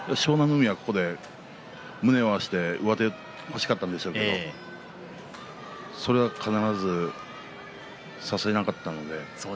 海は、ここで胸を合わせて上手が欲しかったんでしょうけれどそれを必ずさせなかったので。